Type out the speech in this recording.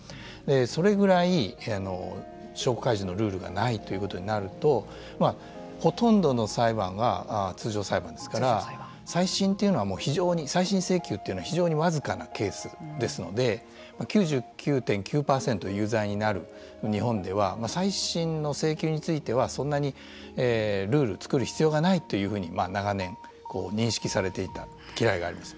それぐらい証拠開示のルールがないということになるとほとんどの裁判が通常裁判ですから再審というのは非常に再審請求というのは非常に僅かなケースですので９９．９％有罪になる日本では再審の請求についてはそんなにルールを作る必要がないというふうに長年認識されていたきらいがあります。